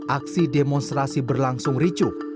aksi demonstrasi berlangsung ricuk